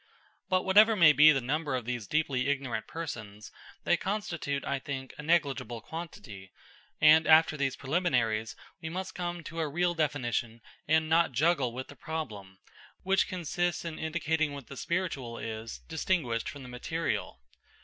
But whatever may be the number of these deeply ignorant persons, they constitute, I think, a negligible quantity; and, after these preliminaries, we must come to a real definition and not juggle with the problem, which consists in indicating in what the spiritual is distinguished from the material.